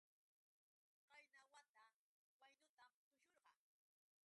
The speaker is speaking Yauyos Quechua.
Qayna wata waynutam tushurqaa.